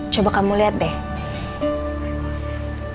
coba kamu lihat deh